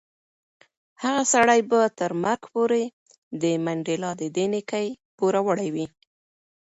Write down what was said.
هغه سړی به تر مرګ پورې د منډېلا د دې نېکۍ پوروړی وي.